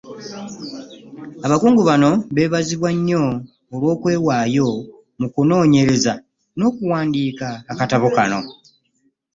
Abakungu bano beebazibwa nnyo olw’okwewaayo mu kunoonyereza n’okuwandiika akatabo kano.